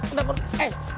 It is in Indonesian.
udah pur eh